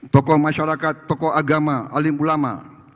tokoh masyarakat tokoh agama alim ulama